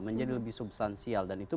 menjadi lebih substansial dan itu